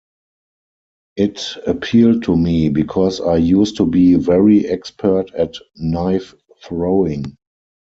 It appealed to me because I used to be very expert at knife throwing.